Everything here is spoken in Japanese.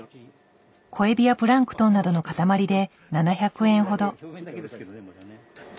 小エビやプランクトンなどのかたまりで７００円ほど。